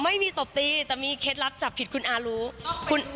ตบตีแต่มีเคล็ดลับจับผิดคุณอารู้